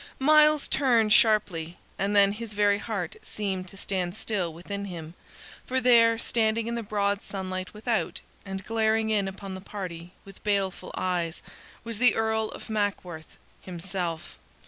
Myles turned sharply, and then his very heart seemed to stand still within him; for there, standing in the broad sunlight without, and glaring in upon the party with baleful eyes, was the Earl of Mackworth himself.